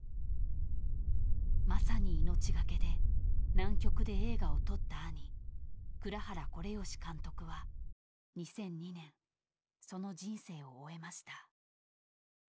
［まさに命懸けで南極で映画を撮った兄蔵原惟繕監督は２００２年その人生を終えました］